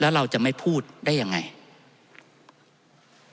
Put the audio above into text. ท่านประธานครับนี่คือสิ่งที่สุดท้ายของท่านครับ